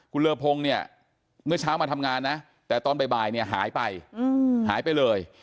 คุณเลอพงศ์เนี่ยเมื่อเช้ามาทำงานนะแต่ตอนบ่ายเนี่ยหายไปหายไปเลย